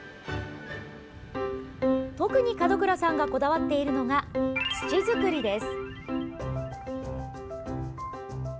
特に門倉さんがこだわっているのが土作りです。